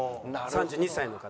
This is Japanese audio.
３２歳の方。